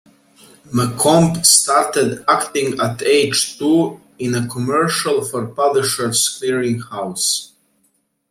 McComb started acting at age two in a commercial for Publisher's Clearing House.